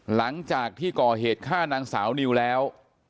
หลังจากที่ก่อเหตุฆ่านางสาวนิวแล้ว